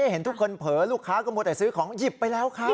เห็นทุกคนเผลอลูกค้าก็มัวแต่ซื้อของหยิบไปแล้วครับ